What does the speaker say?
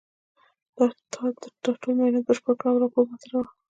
تا دا ټول معاینات بشپړ کړه او راپور یې ما ته راوړه